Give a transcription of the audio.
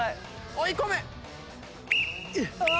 追い込め！